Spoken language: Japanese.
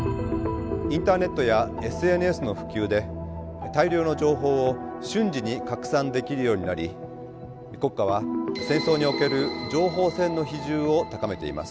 インターネットやＳＮＳの普及で大量の情報を瞬時に拡散できるようになり国家は戦争における情報戦の比重を高めています。